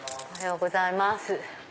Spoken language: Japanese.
おはようございます。